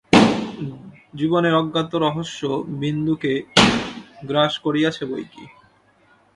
জীবনের অজ্ঞাত রহস্য বিন্দুকে গ্রাস করিয়াছে বৈকি।